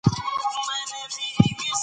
چی پښتو کوی ، پښتي به ماتی ګرځوي .